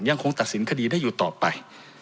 ยังคงตัดสินคดีได้อยู่ต่อไป